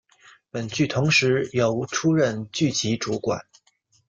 本剧同时由出任剧集主管。